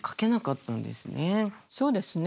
そうですね。